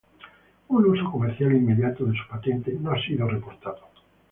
Un uso comercial inmediato de su patente no ha sido reportado.